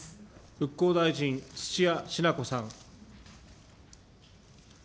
復興大臣、土屋品子さん。